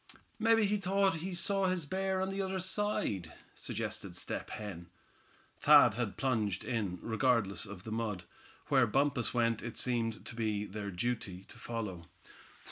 "Mebbe he thought he saw his bear on the other side," suggested Step Hen. Thad had plunged in, regardless of the mud. Where Bumpus went it seemed to be their duty to follow.